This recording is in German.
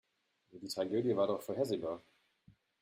Die Tragödie war doch vorhersehbar.